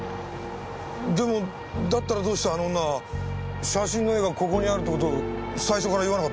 でもだったらどうしてあの女は写真の絵がここにあるって事を最初から言わなかったんです？